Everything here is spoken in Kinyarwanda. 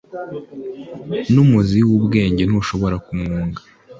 n’umuzi w’ubwenge ntushobora kumungwa.